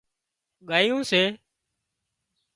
ڳايُون سي